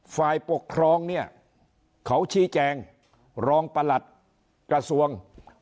ฝ่ายปกครองเนี่ยเขาชี้แจงรองประหลัดกระทรวง